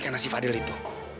karena si fadil itu